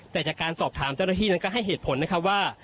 แต่จากการสอบถามเจ้าหน้าที่นั้นก็ให้เหตุผลนะครับว่า